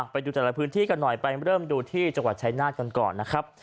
ไปดูแต่ละพื้นที่กันหน่อยไปเริ่มดูที่จังหวัดชายนาฏกันก่อนนะครับ